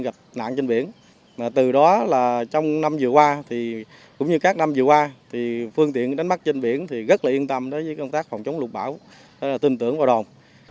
gặp nạn trên biển từ đó trong năm vừa qua cũng như các năm vừa qua phương tiện đánh bắt trên biển rất yên tâm với công tác phòng chống lục bão tình tưởng của đồn